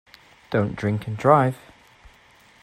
Don’t drink and drive.